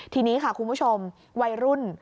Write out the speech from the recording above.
ทีนี้ค่ะคุณผู้ชมวัยรุ่น